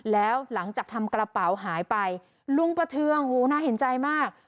แล้วหลังจากทำกระเป๋าหายไปลุงประเทืองโอ้โหน่าเห็นใจมาก